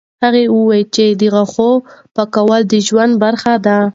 هغه وایي چې د غاښونو پاکول د ژوند برخه ده.